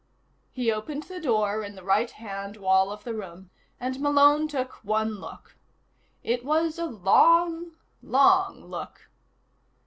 He opened the door in the right hand wall of the room, and Malone took one look. It was a long, long look.